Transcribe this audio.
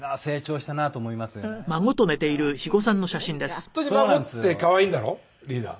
本当に孫って可愛いんだろ？リーダー。